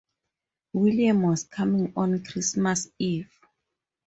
William was coming on Christmas Eve.